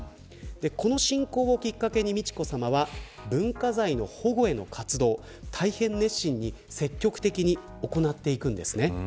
この親交をきっかけに美智子さまは文化財の保護への活動大変熱心に積極的に行っていくんですね。